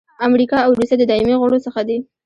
امریکا او روسیه د دایمي غړو څخه دي.